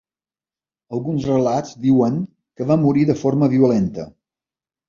Alguns relats diuen que va morir de forma violenta.